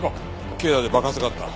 境内で爆発があった。